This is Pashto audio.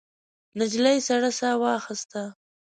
نجلۍ سړه ساه واخیسته.